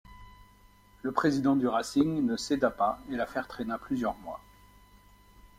Le président du Racing ne céda pas, et l'affaire traina plusieurs mois.